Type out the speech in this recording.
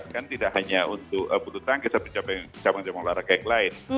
kan tidak hanya untuk butuh tangga sampai capang capang olahraga yang lain